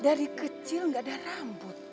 dari kecil gak ada rambut